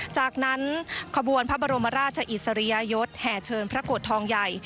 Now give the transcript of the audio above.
จากนั้นขบวนพระบรมราชอิสริยยศแห่เชิญพระโกรธทองใหญ่